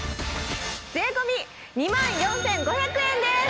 税込２万４５００円です！